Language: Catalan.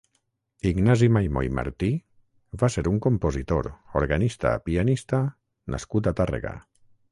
Ignasi Maymó i Martí va ser un compositor, organista, pianista nascut a Tàrrega.